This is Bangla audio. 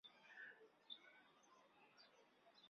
কিন্তু আসল কথা এই যে, নিজের পায়ে অবশ্যই দাঁড়াতে হবে।